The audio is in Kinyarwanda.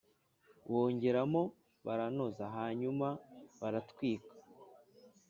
Bongeramo baranoza Hanyuma baratwika!